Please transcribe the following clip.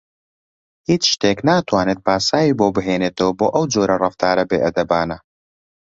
هیچ شتێک ناتوانێت پاساوی بۆ بهێنێتەوە بۆ ئەو جۆرە ڕەفتارە بێئەدەبانە.